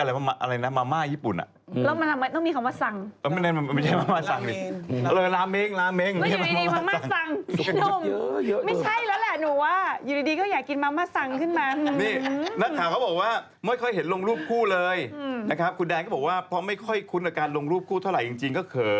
อยากไปมากเลยนะญี่ปุ่น